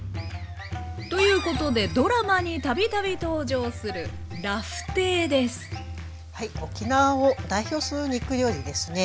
ということでドラマに度々登場する沖縄を代表する肉料理ですね。